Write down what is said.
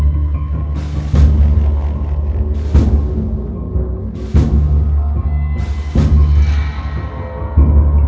di taunaga semua